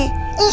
iya gitu dia